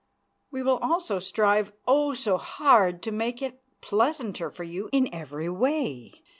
We will also strive, oh, so hard, to make it pleasanter for you in every way.